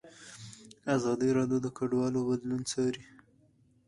ازادي راډیو د کډوال بدلونونه څارلي.